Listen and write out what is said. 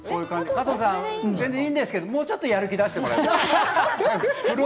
加藤さん、全然いいんですけど、もうちょっとやる気を出してください。